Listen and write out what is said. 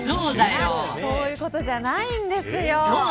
そういうことじゃないんです。